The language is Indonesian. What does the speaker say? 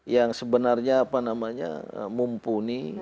yang sebenarnya apa namanya mumpuni